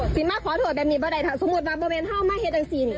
สินมาขอถูกแบบนี้บ้าได้สมุดว่าบริเวณเท่ามหาเหตุจังสิน